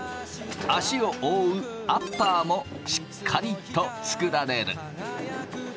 足を覆うアッパーもしっかりと作られる。